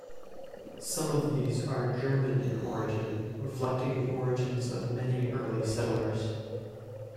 Some of these are German in origin, reflecting the origins of many early settlers.